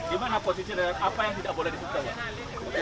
gimana posisi apa yang tidak boleh disukai